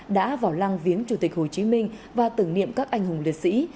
đã vào lăng viếng chủ tịch hồ chí minh và tưởng niệm các anh hùng liệt sĩ